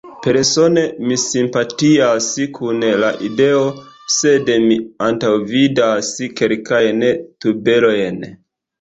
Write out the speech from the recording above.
Persone, mi simpatias kun la ideo, sed mi antaŭvidas kelkajn tuberojn.